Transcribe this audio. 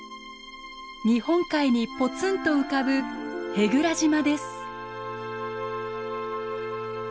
日本海にぽつんと浮かぶ舳倉島です。